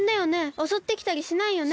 おそってきたりしないよね？